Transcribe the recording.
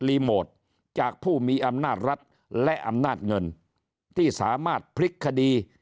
โมทจากผู้มีอำนาจรัฐและอำนาจเงินที่สามารถพลิกคดี